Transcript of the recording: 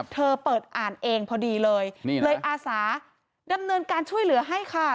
เธอเปิดอ่านเองพอดีเลยนี่เลยอาสาดำเนินการช่วยเหลือให้ค่ะ